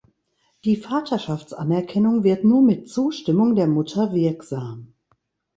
Die Vaterschaftsanerkennung wird nur mit Zustimmung der Mutter wirksam.